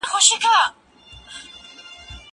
لوښي وچ کړه!؟